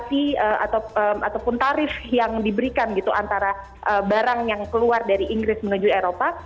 investasi ataupun tarif yang diberikan gitu antara barang yang keluar dari inggris menuju eropa